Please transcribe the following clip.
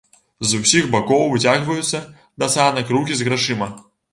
З усіх бакоў выцягваюцца да санак рукі з грашыма.